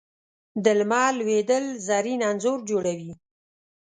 د لمر لوېدل زرین انځور جوړوي